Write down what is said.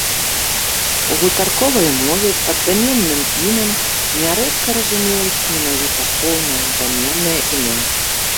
У гутарковай мове пад даменным імем нярэдка разумеюць менавіта поўнае даменнае імя.